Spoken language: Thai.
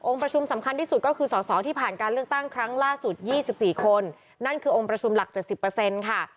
ประชุมสำคัญที่สุดก็คือสอสอที่ผ่านการเลือกตั้งครั้งล่าสุด๒๔คนนั่นคือองค์ประชุมหลัก๗๐ค่ะ